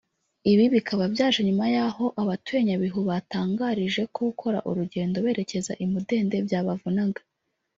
ibi bikaba byaje nyuma y’aho abatuye Nyabihu batangarije ko gukora urugendo berekeza i Mudende byabavunaga